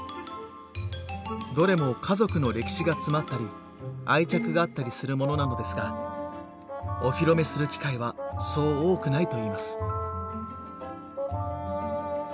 どれも家族の歴史が詰まったり愛着があったりするものなのですがお披露目する機会はそう多くないといいます。